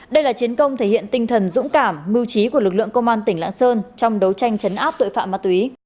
đây là chiến công thể hiện tinh thần dũng cảm mưu trí của lực lượng công an tỉnh lạng sơn trong đấu tranh chấn áp tội phạm ma túy